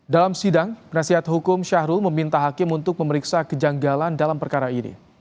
dalam sidang penasihat hukum syahrul meminta hakim untuk memeriksa kejanggalan dalam perkara ini